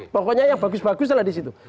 pokoknya yang bagus bagus adalah di situ